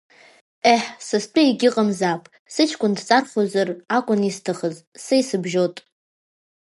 Ҟеҳ, са стәы егьыҟамзаап, сыҷкәын дҵархозар акәын исҭахыз, са исыбжьот!